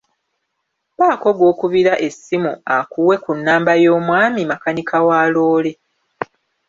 Baako gw'okubira essimu akuwe ku nnamba y'omwami makanika wa loole.